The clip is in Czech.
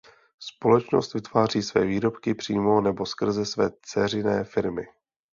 Společnost vytváří své výrobky přímo nebo skrze své dceřiné firmy.